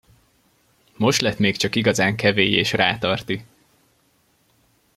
Most lett még csak igazán kevély és rátarti!